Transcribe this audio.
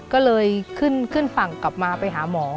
ก็เลยขึ้นฝั่งกลับมาไปหาหมอ